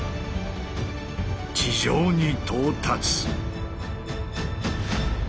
地上に到達。